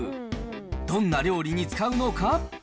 どんな料理に使うのか。